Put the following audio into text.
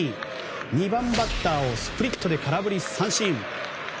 ２番バッターをスプリットで空振り三振。